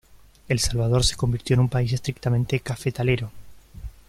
El Salvador se convirtió en un país estrictamente cafetalero.